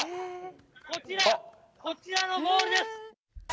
こちら、こちらのボールです！